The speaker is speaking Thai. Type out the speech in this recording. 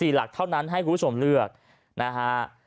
หลักเท่านั้นให้คุณผู้ชมเลือกนะฮะ